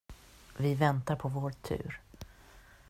Vi väntar på vår tur!